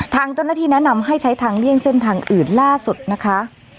ทางเจ้าหน้าที่แนะนำให้ใช้ทางเลี่ยงเส้นทางอื่นล่าสุดนะคะ